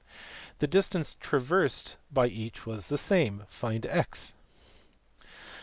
The distance traversed by each was the same. Find x."